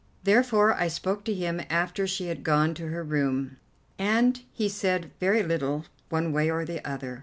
Therefore I spoke to him after she had gone to her room, and he said very little one way or the other.